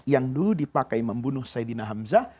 yang dulu dipakai membunuh sayyidina hamzah